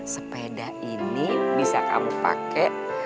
sepeda ini bisa kamu pakai